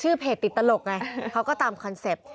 เพจติดตลกไงเขาก็ตามคอนเซ็ปต์